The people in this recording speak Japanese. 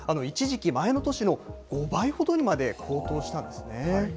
一時期、前の年の５倍ほどにまで高騰したんですね。